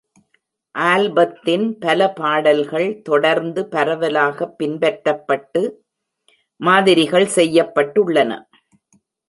ஆல்பத்தின் பல பாடல்கள் தொடர்ந்து பரவலாக பின்பற்றபட்டு மாதிரிகள் செய்யப்பட்டுள்ளன.